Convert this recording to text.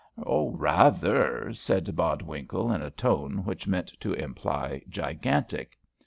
"Rather," said Bodwinkle, in a tone which meant to imply gigantic.